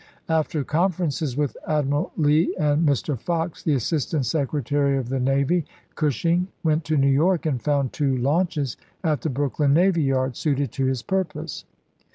After conferences with Admiral Lee and Mr. Fox, the Assistant Secretary of the Navy, Cushing went to New York and found two launches, at the Brooklyn Navy Yard, suited to his purpose.